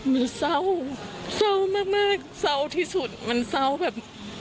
มันเศร้าเศร้ามากเศร้าที่สุดมันเศร้าแบบ